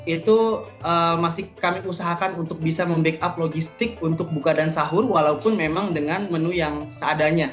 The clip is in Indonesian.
itu masih kami usahakan untuk bisa membackup logistik untuk buka dan sahur walaupun memang dengan menu yang seadanya